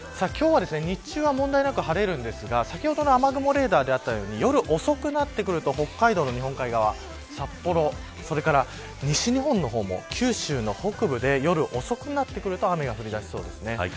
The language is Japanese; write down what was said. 今日は日中は問題なく晴れますが先ほどの雨雲レーダーでもあったように夜遅くなってくると北海道の日本海側、札幌それから西日本の方も、九州の北部で夜遅くになってくると雨が降り出しそうです。